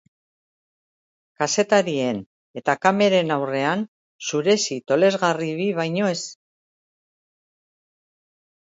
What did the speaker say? Kazetarien eta kameren aurrean zuresi tolesgarri bi baino ez.